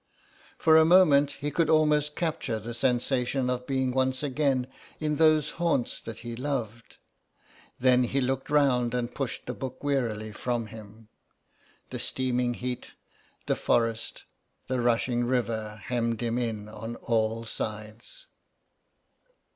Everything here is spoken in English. For a moment he could almost capture the sensation of being once again in those haunts that he loved; then he looked round and pushed the book wearily from him. The steaming heat, the forest, the rushing river hemmed him in on all sides.